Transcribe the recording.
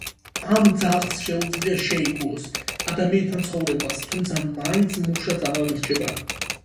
ამ ძაღლს შეუძლია შეეგუოს ადამიანთან ცხოვრებას, თუმცა მაინც მუშა ძაღლად რჩება.